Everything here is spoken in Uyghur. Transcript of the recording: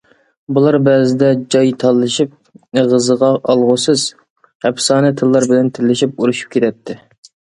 بۇلار بەزىدە جاي تالىشىپ، ئېغىزغا ئالغۇسىز، ئەپسانە تىللار بىلەن تىللىشىپ، ئۇرۇشۇپ كېتەتتى.